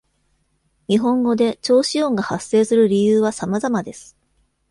日本語で長子音が発生する理由はさまざまです。